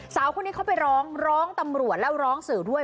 สาวคนนี้เขาไปร้องร้องตำรวจแล้วร้องสื่อด้วย